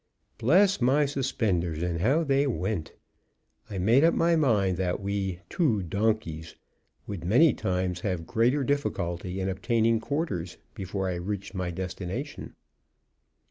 Bless my suspenders, and how they went! I made up my mind that we "two donkeys" would many times have greater difficulty in obtaining quarters before I reached my destination.